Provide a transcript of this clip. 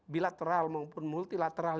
bilateral maupun multilateral